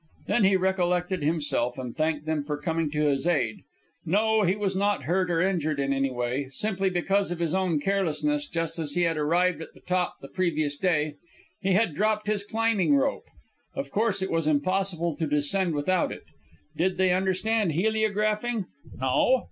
Then he recollected himself and thanked them for coming to his aid. No, he was not hurt or injured in any way. Simply because of his own carelessness, just as he had arrived at the top the previous day, he had dropped his climbing rope. Of course it was impossible to descend without it. Did they understand heliographing? No?